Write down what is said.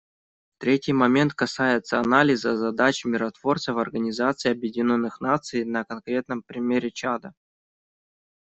Третий момент касается анализа задач миротворцев Организации Объединенных Наций на конкретном примере Чада.